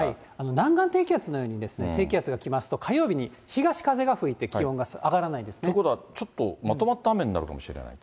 南岸低気圧のように、低気圧が来ますと、火曜日に東風が吹いて、気温が上がらないんでということは、ちょっとまとまった雨になるかもしれないと。